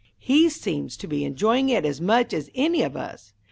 "He seems to be enjoying it as much as any of us."